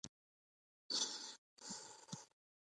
دا حالت د وجدان مرګ دی.